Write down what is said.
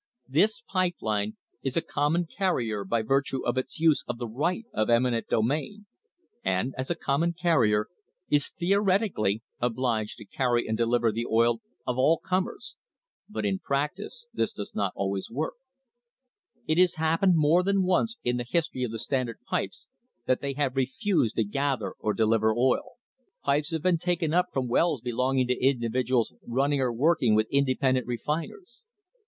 This pipe line is a common carrier by virtue of its use of the right of eminent domain, and, as a common carrier, is theoretically obliged to carry and deliver the oil of all comers, but in practice this does not always work. It has happened more than once in the history of the Standard pipes that they have refused to gather or deliver oil. Pipes have been taken up from wells belonging to individuals running or working with independent refiners.